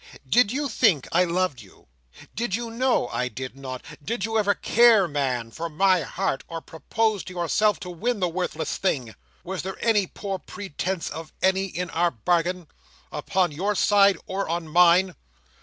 "Did you think I loved you? Did you know I did not? Did you ever care, Man! for my heart, or propose to yourself to win the worthless thing? Was there any poor pretence of any in our bargain? Upon your side, or on mine?"